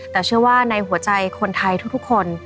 แต่เชื่อว่าในหัวใจคนไทยทุกคน